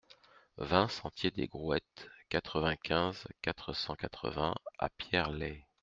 vingt sentier des Grouettes, quatre-vingt-quinze, quatre cent quatre-vingts à Pierrelaye